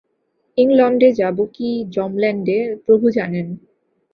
ইংলণ্ডে যাব কি যমল্যাণ্ডে, প্রভু জানেন।